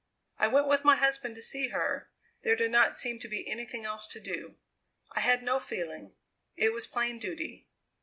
"I went with my husband to see her. There did not seem to be anything else to do. I had no feeling; it was plain duty.